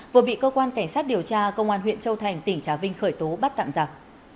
vừa bị cơ quan cảnh sát điều tra công an huyện châu thành tỉnh trà vinh khởi tố bắt tạm giặc